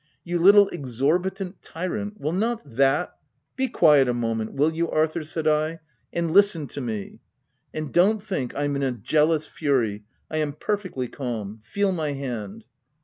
You little exorbitant tyrant, will not that "" Be quiet a moment, will you Arthur," said I, u and listen to me— and don't think Pra in a jealous fury: I am perfectly calm. Feel my hand."